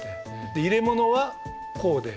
で入れ物はこうで。